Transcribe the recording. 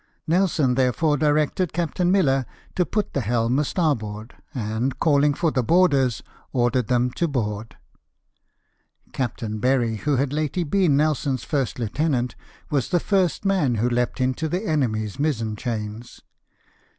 Nelson therefore directed Captain Miller to put tlie helm a starboard, and, calhng for the boarders, ordered them to board. Captain Berry, who had lately been Nelson's first lieutenant, was the first man who leaped into the enemy's mizen chains.